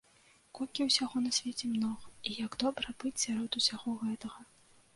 Колькі ўсяго на свеце многа, і як добра быць сярод усяго гэтага.